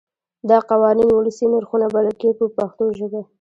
دا قوانین ولسي نرخونه بلل کېږي په پښتو ژبه.